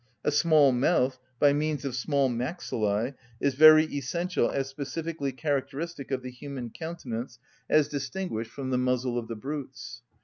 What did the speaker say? A small mouth, by means of small maxillæ, is very essential as specifically characteristic of the human countenance, as distinguished from the muzzle of the brutes.